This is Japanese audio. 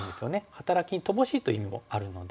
働きに乏しいという意味もあるので。